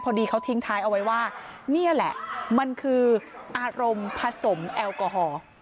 พอดีเขาทิ้งท้ายเอาไว้ว่านี่แหละมันคืออารมณ์ผสมแอลกอฮอล์